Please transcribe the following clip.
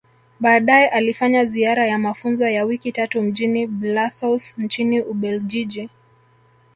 Baadae alifanya ziara ya mafunzo ya wiki tatu mjini Blasous nchini Ubeljiji